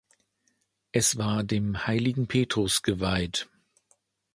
Es war dem heiligen Petrus geweiht.